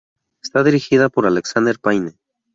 Está dirigida por Alexander Payne.